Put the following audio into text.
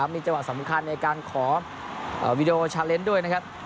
มีจังหวะสำคัญในการขอวีดีโอชาเลนส์ด้วยนะครับ